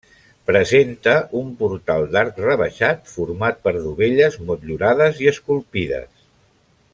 Presenta un portal d'arc rebaixat format per dovelles motllurades i esculpides.